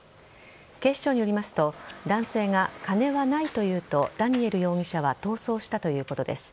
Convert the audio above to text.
警視庁によりますと男性が金はないというとダニエル容疑者は逃走したということです。